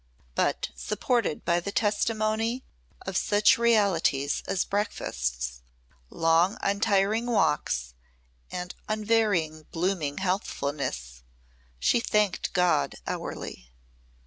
But supported by the testimony of such realities as breakfasts, long untiring walks and unvarying blooming healthfulness, she thanked God hourly.